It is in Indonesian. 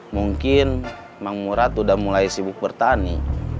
mungkin mamang murad sudah mulai sibuk bertani